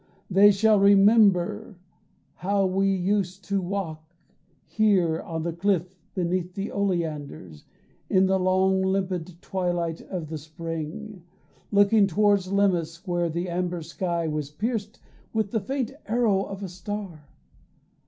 They shall remember how we used to walk Here on the cliff beneath the oleanders In the long limpid twilight of the spring, Looking toward Lemnos, where the amber sky Was pierced with the faint arrow of a star.